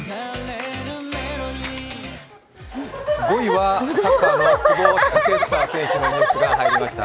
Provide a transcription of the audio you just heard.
５位はサッカー・久保選手のニュースが入りました。